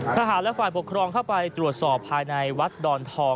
ทหารและฝ่ายปกครองเข้าไปตรวจสอบภายในวัดดอนทอง